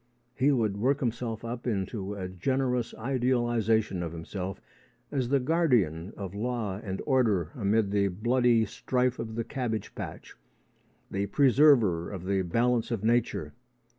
He would work himself up into a generous idealisation of himself as the guardian of law and order amid the bloody strife of the cabbage patch the preserver of the balance of nature.